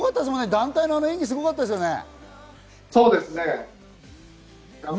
すごかったですよ